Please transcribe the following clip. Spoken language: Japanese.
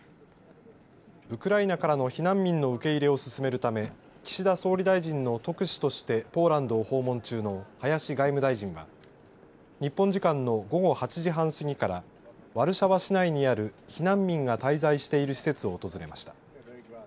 ウクライナからの避難民の受け入れを進めるため岸田総理大臣の特使としてポーランドを訪問中の林外務大臣は日本時間の午後８時半過ぎからワルシャワ市内にある避難民が滞在している施設を訪れました。